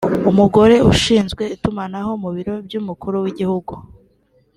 umugore ushinzwe itumanaho mu Biro by’Umukuru w’Igihugu